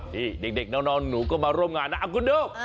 นี่เด็กน้องหนูก็มาร่วมงานนะคุณดู